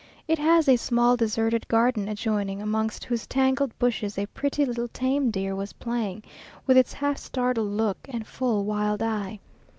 It has a small deserted garden adjoining, amongst whose tangled bushes a pretty little tame deer was playing, with its half startled look and full wild eye.